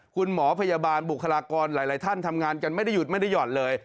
คุณหมอพยาบาลบุคลากรหลายท่านทำงานกันไม่ได้หยุดไม่ได้หย่อนเลย